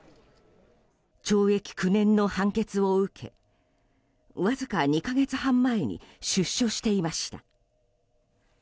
懲役９年の判決を受けわずか２か月半前に出所していました。